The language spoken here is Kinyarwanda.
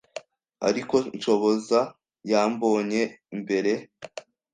ariko Shoboza yambonye mbere.